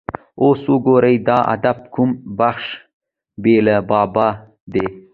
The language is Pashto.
اوس وګورئ د ادب کوم بخش بې له بابا دی.